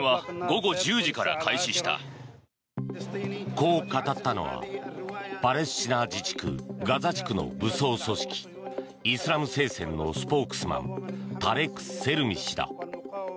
こう語ったのはパレスチナ自治区ガザ地区の武装組織イスラム聖戦のスポークスマンタレク・セルミ氏だ。